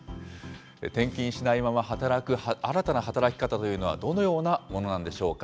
転勤しないまま働く新たな働き方というのは、どのようなものなんでしょうか。